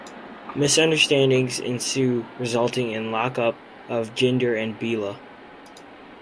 Misunderstandings ensue resulting in lock up of Jinder and Billa.